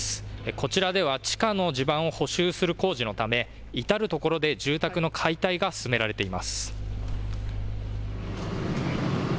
こちらでは地下の地盤を補修する工事のため、至る所で住宅の解体が進められています。